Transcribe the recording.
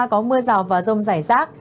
có mưa rào và rông rải rác